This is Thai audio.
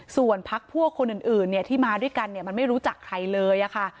ส่วนพักพวกคนอื่นที่มาด้วยกันมันไม่รู้จักใครเลยค่ะ